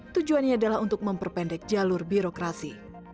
tujuannya adalah untuk memperpendek jalur birokrasi